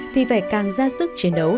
thì phải càng ra sức chiến đấu